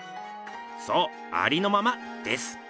そう「ありのまま」です。